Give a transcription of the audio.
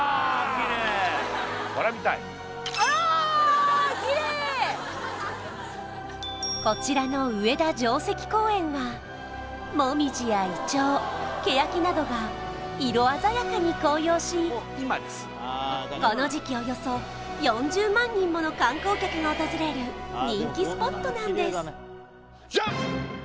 こりゃ見たいこちらの上田城跡公園はモミジやイチョウケヤキなどが色鮮やかに紅葉しこの時期およそ４０万人もの観光客が訪れる人気スポットなんですジャン！